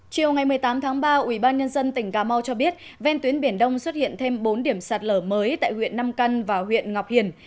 chiều ngày một mươi tám tháng ba ubnd tỉnh cà mau cho biết ven tuyến biển đông xuất hiện thêm bốn điểm sạt lở mới tại huyện nam căn và huyện ngọc hiền